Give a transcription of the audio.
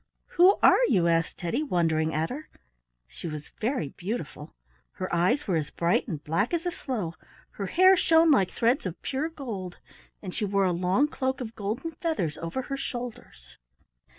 "Who are you?" asked Teddy, wondering at her. She was very beautiful. Her eyes were as bright and black as a sloe, her hair shone like threads of pure gold, and she wore a long cloak of golden feathers over her shoulders.